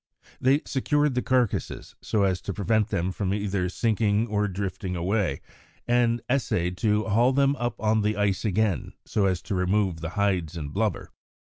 They secured the carcases, so as to prevent them from either sinking or drifting away, and essayed to haul them up on to the ice again so as to remove the hides and blubber.